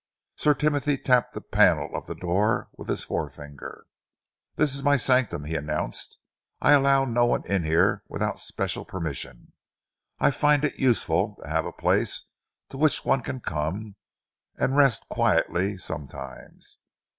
Sir Timothy tapped the panel of the door with his forefinger. "This is my sanctum," he announced. "I allow no one in here without special permission. I find it useful to have a place to which one can come and rest quite quietly sometimes.